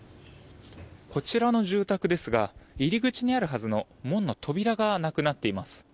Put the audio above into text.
こちらの住宅ですが入り口にあるはずの門の扉がなくなっています。